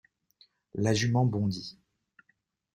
La jument bondit.